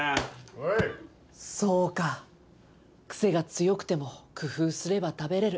そうかクセが強くても工夫すれば食べられる。